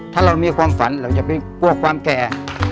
ถ้าเรามีความฝันเราอย่าไปกลัวความแก่